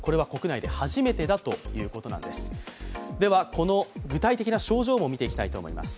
この具体的な症状も見ていきたいと思います。